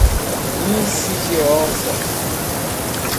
insidiosa